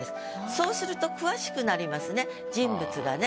そうすると詳しくなりますね人物がね。